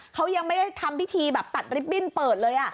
เขายังไม่ได้ทำพิธีแบบตัดลิฟตบิ้นเปิดเลย